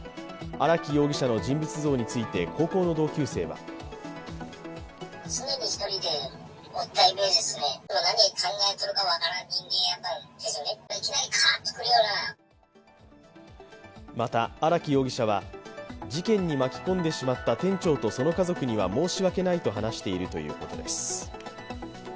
荒木容疑者の人物像について高校の同級生はまた、荒木容疑者は事件に巻き込んでしまった店長とその家族には申し訳ないと話しているということです。